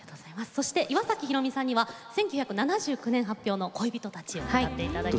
そして岩崎宏美さんには１９７９年発表の「恋人たち」を歌って頂きます。